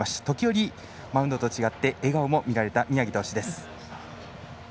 時折、マウンドと違って笑顔も見られた宮城投手です。